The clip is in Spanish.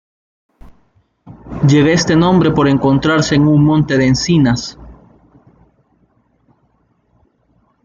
Lleve este nombre por encontrarse en un monte de encinas.